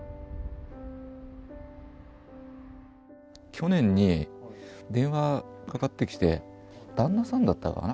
去年に電話かかってきて旦那さんだったかな